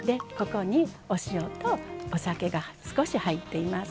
お塩とお酒が少し入っています。